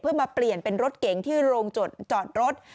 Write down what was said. เพื่อมาเปลี่ยนเป็นรถเก๋งที่โรงจอดรถ